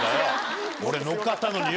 俺乗っかったのによ。